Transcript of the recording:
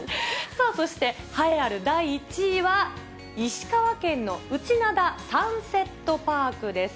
そして、栄えある第１位は、石川県の内灘サンセットパークです。